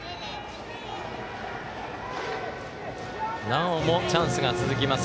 なおもチャンスが続きます